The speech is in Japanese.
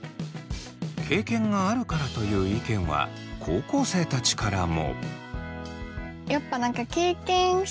「経験があるから」という意見は高校生たちからも。